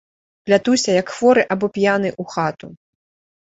Плятуся, як хворы або п'яны, у хату.